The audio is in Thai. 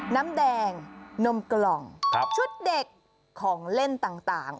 น้ำแดงนมกล่องชุดเด็กของเล่นต่าง